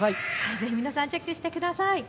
ぜひ皆さんチェックしてください。